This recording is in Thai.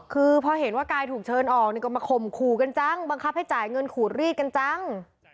คือพอเห็นว่ากายถูกเชิญออกเนี่ยก็มาข่มขู่กันจังบังคับให้จ่ายเงินขูดรีดกันจัง